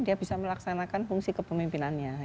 dia bisa melaksanakan fungsi kepemimpinannya